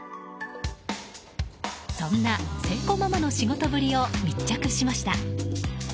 そんな青子ママの仕事ぶりを密着しました。